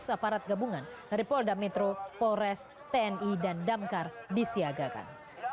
dua lima ratus aparat gabungan dari polda metro polres tni dan damkar disiagakan